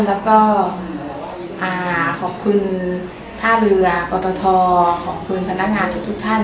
แล้วก็ขอบคุณท่าเรือปตทขอบคุณพนักงานทุกท่าน